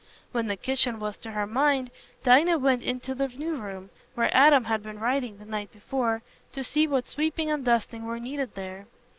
When the kitchen was to her mind, Dinah went into the new room, where Adam had been writing the night before, to see what sweeping and dusting were needed there.